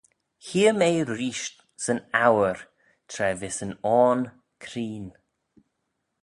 Hee'm ee reesht syn 'ouyr tra vees yn oarn creen.